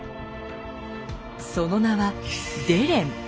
その名は「デレン」。